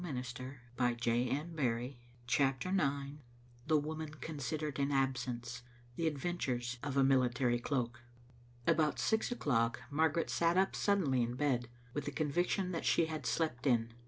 Digitized by VjOOQ IC CHAPTER IX. THE WOMAN CONSIDERED IN ABSENCE— ADVENTURES OF A MILITARY CLOAK. About six o'clock Margaret sat tip suddenly in bed, with the conviction that she had slept in.